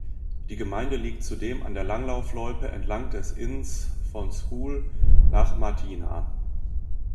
Die Gemeinde liegt zudem an der Langlaufloipe entlang des Inns von Scuol nach Martina.